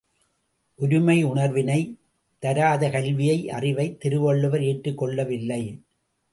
ஒருமையுணர்வினைத் தராத கல்வியை அறிவை திருவள்ளுவர் ஏற்றுக் கொள்ளவில்லை.